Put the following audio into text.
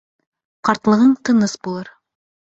Ҡартлығың тыныс булыр.